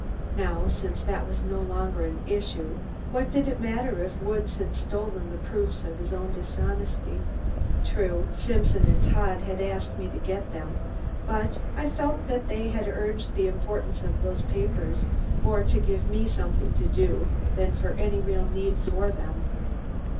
Now, since that was no longer an issue, what did it matter if Woods had stolen the proofs of his own dishonesty. True, Simpson and Todd had asked me to get them, but I felt that they had urged the importance of those papers more to give me something to do than for any real need of them.